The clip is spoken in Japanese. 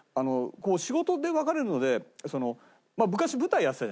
仕事で別れるので昔舞台やってたじゃない。